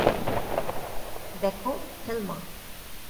দেখো, থেলমা।